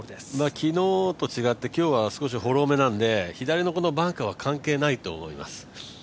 昨日と違って今日は少しフォローめなんで、左のバンカーは関係ないと思います。